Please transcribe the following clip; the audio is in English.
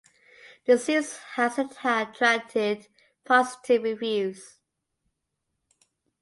The series has attracted positive reviews.